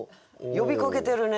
呼びかけてるね。